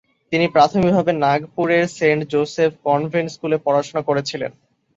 তিনি প্রাথমিকভাবে নাগপুরের সেন্ট জোসেফ কনভেন্ট স্কুলে পড়াশোনা করেছিলেন।